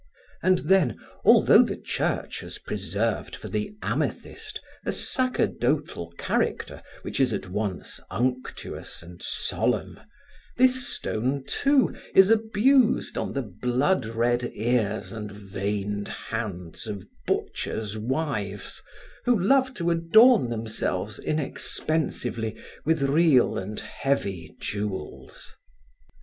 And then, although the Church has preserved for the amethyst a sacerdotal character which is at once unctuous and solemn, this stone, too, is abused on the blood red ears and veined hands of butchers' wives who love to adorn themselves inexpensively with real and heavy jewels.